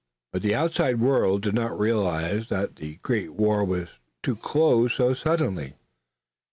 But the outside world did not realize that the great war was to close so suddenly.